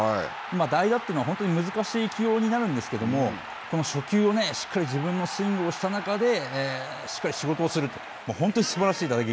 代打というのは本当に難しい起用になるんですけれども、初球をしっかり自分のスイングをした中で、しっかり仕事をすると。